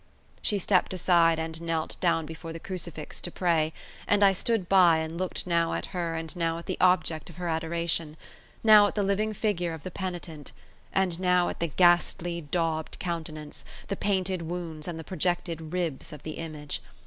She stepped aside and knelt down before the crucifix to pray, and I stood by and looked now at her and now at the object of her adoration, now at the living figure of the penitent, and now at the ghastly, daubed countenance, the painted wounds, and the projected ribs of the image.